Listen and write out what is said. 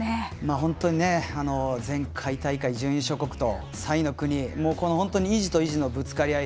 本当に前回大会準優勝国と３位の国意地と意地のぶつかり合い。